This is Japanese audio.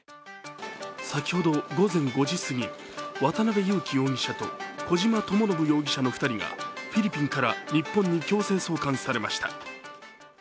先ほど午前５時過ぎ、渡辺優樹容疑者と小島智信容疑者の２人がフィリピンから日本に強制送還されました。